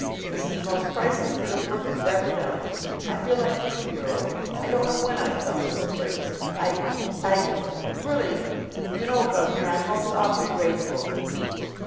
This is the most priceless bit of work you've ever done. I feel like a two year old. I don't know when I've felt so braced. I I really, you know, gov'nor, I'm most awfully grateful."